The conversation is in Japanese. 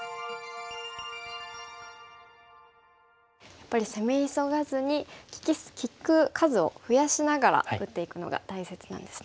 やっぱり攻め急がずに利く数を増やしながら打っていくのが大切なんですね。